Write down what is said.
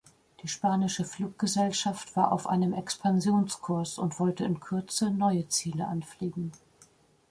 Die spanische Fluggesellschaft war auf einem Expansionskurs und wollte in Kürze neue Ziele anfliegen.